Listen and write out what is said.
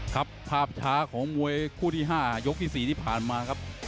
ครับภาพช้าของมวยคู่ที่๕ยกที่๔ที่ผ่านมาครับ